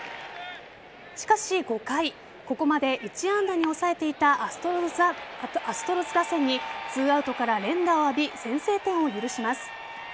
しかし５回、ここまで１安打に抑えていたアストロズ打線に２アウトから連打を浴び先制点を許します。